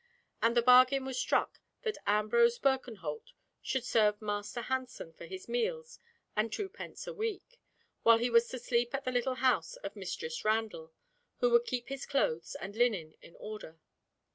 And the bargain was struck that Ambrose Birkenholt should serve Master Hansen for his meals and two pence a week, while he was to sleep at the little house of Mistress Randall, who would keep his clothes and linen in order.